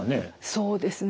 そうですね。